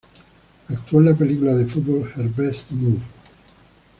Actuó en la película de fútbol, "Her Best Move".